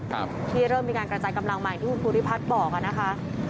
ที่เริ่มมีการกระจายกำลังมาอย่างที่คุณภูริพัฒน์บอกนะคะ